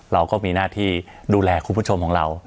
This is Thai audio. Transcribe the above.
เราก็มีหน้าที่ดูแลคุณผู้ชมของเรา